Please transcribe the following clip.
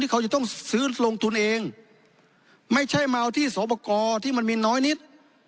เขาจะต้องซื้อลงทุนเองไม่ใช่มาเอาที่สอบประกอบที่มันมีน้อยนิด